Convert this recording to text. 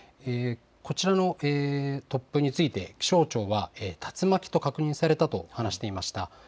こちらの突風について、気象庁は竜巻と確認されたと話していました。